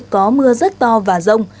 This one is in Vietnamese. có mưa rất to và rông